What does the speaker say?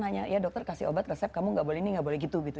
hanya ya dokter kasih obat resep kamu gak boleh ini gak boleh gitu gitu